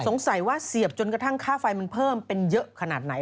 สงสัยว่าเสียบจนกระทั่งค่าไฟมันเพิ่มเป็นเยอะขนาดไหน